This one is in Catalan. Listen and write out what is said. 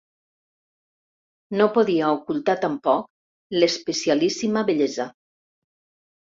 No podia ocultar tampoc l'especialíssima bellesa